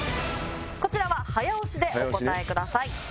こちらは早押しでお答えください。